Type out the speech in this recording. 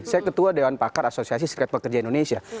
saya ketua dewan pakar asosiasi serikat pekerja indonesia